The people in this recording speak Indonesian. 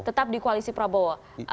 tetap di koalisi prabowo